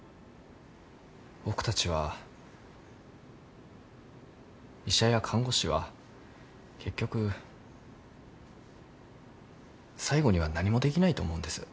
僕たちは医者や看護師は結局最後には何もできないと思うんです。